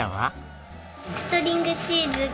ストリングチーズが。